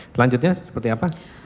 selanjutnya seperti apa